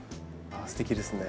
あすてきですね。